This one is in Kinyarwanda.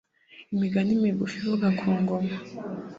Imigani migufi ivugwa ku ngoma